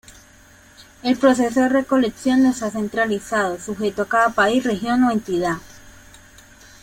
El proceso de recolección no está centralizado, sujeto a cada país, región o entidad.